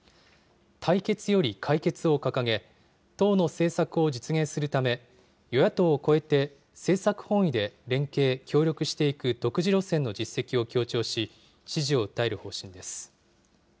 対決より解決を掲げ、党の政策を実現するため、与野党を超えて政策本位で連携協力していく独自路線の実績を強調し、支持を訴える方針です。